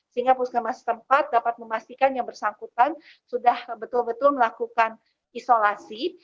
sehingga puskesmas tempat dapat memastikan yang bersangkutan sudah betul betul melakukan isolasi